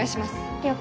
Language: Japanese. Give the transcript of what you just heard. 了解